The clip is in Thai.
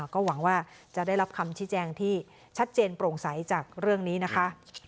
ก็หวังว่าจะได้รับคำชี้แจงที่ชัดเจนโปร่งใสจากเรื่องนี้นะคะ